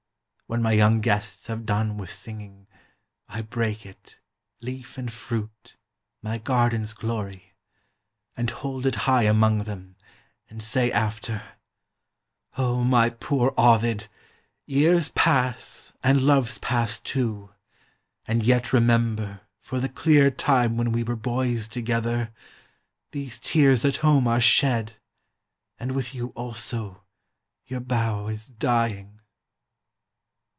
When my young guests have done with singing, I break it, leaf and fruit, my garden's glory, And hold it high among them, and say after: "O my poor Ovid, "Years pass, and loves pass too; and yet remember For the clear time when we were boys together, These tears at home are shed; and with you also Your bough is dying."